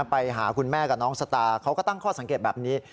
ไปหาคุณแม่กับน้องสตาร์เขาก็ตั้งข้อสังเกตแบบนี้